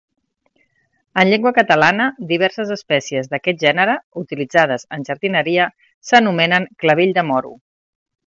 En llengua catalana diverses espècies d'aquest gènere, utilitzades en jardineria, s'anomenen clavell de moro.